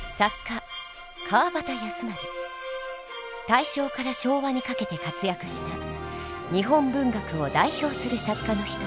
大正から昭和にかけて活躍した日本文学を代表する作家の一人。